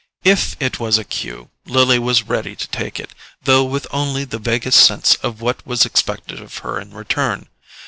If it was a cue, Lily was ready to take it, though with only the vaguest sense of what was expected of her in return.